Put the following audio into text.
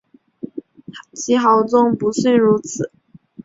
其豪纵不逊如此。